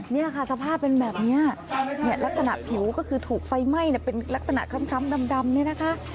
นี่ค่ะสภาพเป็นแบบนี้ลักษณะผิวก็คือถูกไฟไหม้เป็นลักษณะคล้ำดำเนี่ยนะคะ